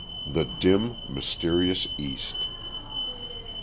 THE DIM, MYSTERIOUS EAST.